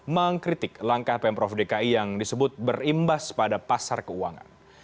mengkritik langkah pemprov dki yang disebut berimbas pada pasar keuangan